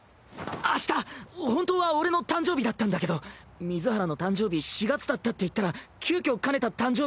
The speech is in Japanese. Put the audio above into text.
明日本当は俺の誕生日だったんだけど水原の誕生日４月だったって言ったら急遽兼ねた誕生